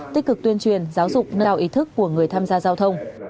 tích cực tuyên truyền giáo dục nâng cao ý thức của người tham gia giao thông